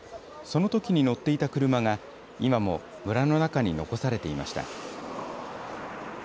そのときに乗っていた車が、今も村の中に残されていました。